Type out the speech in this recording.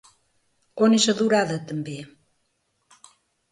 On és adorada també?